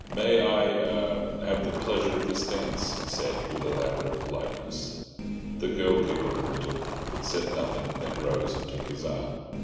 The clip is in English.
"May I—er—have the pleasure of this dance?" he said, with elaborate politeness. The girl giggled a little, but said nothing, then rose and took his arm.